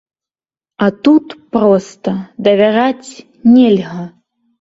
А тут проста давяраць нельга.